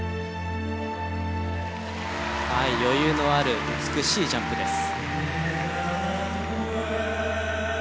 余裕のある美しいジャンプです。